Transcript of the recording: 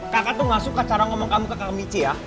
kakak tuh gak suka cara ngomong kamu ke kang michi ya